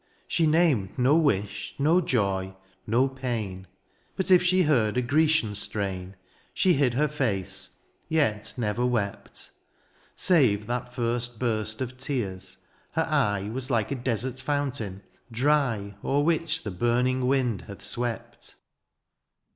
She named no wish^ no joy^ no pain ; But if she heard a Grecian strain She hid her face — ^yet never wept : Save that first burst of tears* — ^her eye Was like a desert fountain^ drya Cer which the burning wind hath swept.